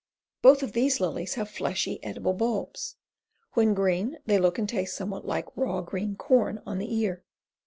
Both of these lilies have fleshy, edible bulbs. When green they look and taste somewhat like raw green corn on the ear.